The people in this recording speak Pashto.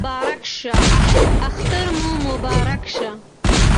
اختر مو مبارک شه